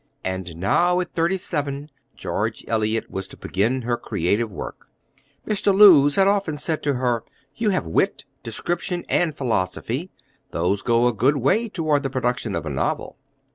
And now at thirty seven George Eliot was to begin her creative work. Mr. Lewes had often said to her, "You have wit, description, and philosophy those go a good way towards the production of a novel."